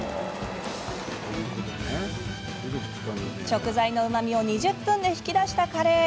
食材のうまみを２０分で引き出したカレー。